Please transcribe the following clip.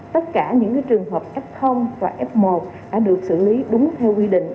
tất cả những trường hợp f và f một đã được xử lý đúng theo quy định